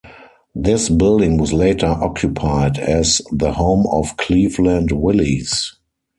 This building was later occupied as the home of Cleveland Willis.